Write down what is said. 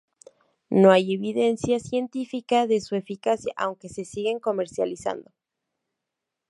No hay evidencia científica de su eficacia, aunque se siguen comercializando.